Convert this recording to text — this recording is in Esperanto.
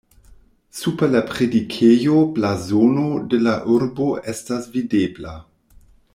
Super la predikejo blazono de la urbo estas videbla.